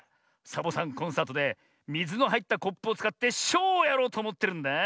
サボさんコンサートでみずのはいったコップをつかってショウをやろうとおもってるんだあ。